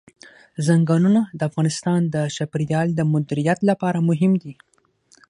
ځنګلونه د افغانستان د چاپیریال د مدیریت لپاره مهم دي.